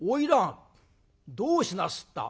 「花魁どうしなすった？